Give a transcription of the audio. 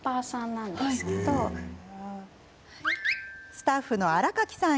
スタッフの新垣さん